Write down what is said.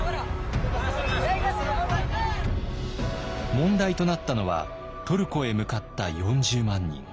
問題となったのはトルコへ向かった４０万人。